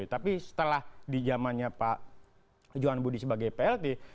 tapi setelah di zamannya pak johan budi sebagai plt